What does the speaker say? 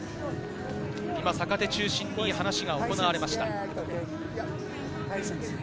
今、坂手中心に話が行われました。